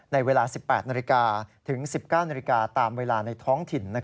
ในเวลา๑๘นาฬิกาถึง๑๙นาฬิกาตามเวลาในท้องถิ่น